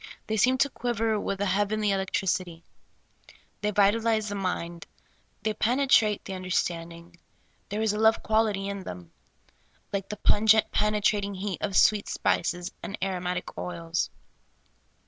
They seem to quiver with a heavenly electric ity ; they vitalize the mind ; they penetrate the un derstanding ; there is a love quality in them, like the pungent, penetrating heat of sweet spices and aro matic oils.